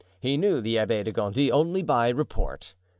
He knew the Abbé de Gondy only by report.